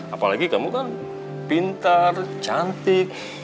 apalagi kamu kan pintar cantik